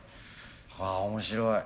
は面白い。